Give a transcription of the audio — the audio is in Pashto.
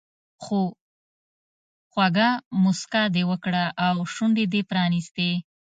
هو خوږه موسکا دې وکړه او شونډې دې پرانیستې.